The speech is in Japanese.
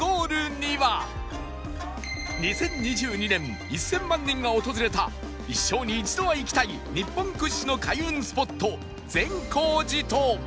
２０２２年１０００万人が訪れた一生に一度は行きたい日本屈指の開運スポット善光寺と